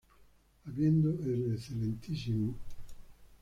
Habiendo el Excmo.